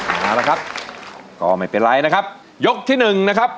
เอาละครับก็ไม่เป็นไรนะครับยกที่หนึ่งนะครับ